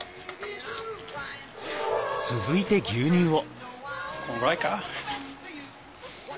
続いて牛乳を。